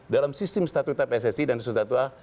dalam sistem statuta pssc dan statuta